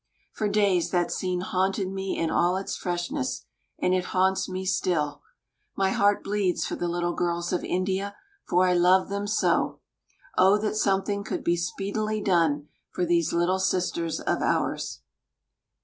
For days that scene haunted me in all its freshness, and it haunts me still. My heart bleeds for the little girls of India, for I love them so. O, that something could be speedily done for these little sisters of ours!